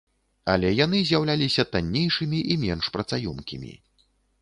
Але яны з'яўляліся таннейшымі і менш працаёмкімі.